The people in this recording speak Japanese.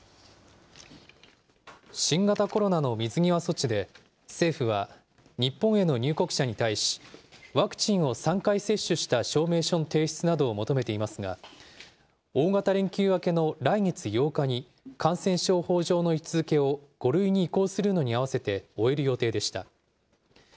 新型コロナの水際措置で、政府は、日本への入国者に対し、ワクチンを３回接種した証明書の提出などを求めていますが、大型連休明けの来月８日に感染症法上の位置づけを５類に移行するのに合わせて終える予定でした。